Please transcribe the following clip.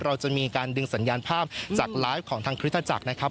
เราจะมีการดึงสัญญาณภาพจากไลฟ์ของทางคริสตจักรนะครับ